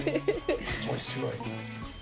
面白いな。